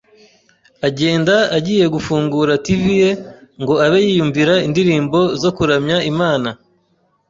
agenda agiye gufungura T.V ye ngo abe yiyumvira indirimbo zo kuramya Imana.